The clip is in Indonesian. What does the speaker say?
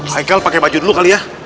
michael pakai baju dulu kali ya